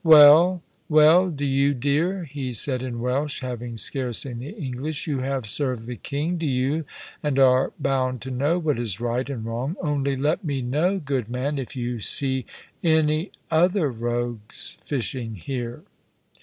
"Well, well, Dyo, dear," he said in Welsh, having scarce any English, "you have served the King, Dyo, and are bound to know what is right and wrong; only let me know, good man, if you see any other rogues fishing here."